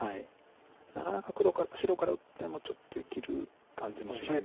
なかなか白から打ってもちょっと生きる感じもしないんですけれど。